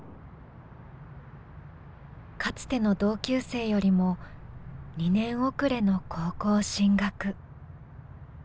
かつての同級生よりも２年遅れの高校進学。